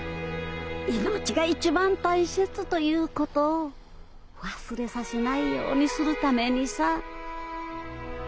命が一番大切ということを忘れさせないようにするためにさぁ。